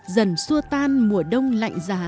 dần xua tan mùa đông lạnh giá